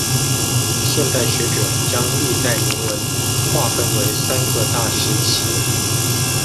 现代学者将历代铭文划分为三个大时期。